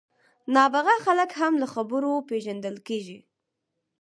نابغه خلک هم له خبرو پېژندل کېږي.